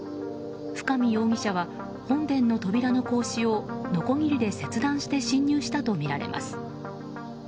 深見容疑者は本殿の扉の格子をのこぎりで切断して侵入したとみられます。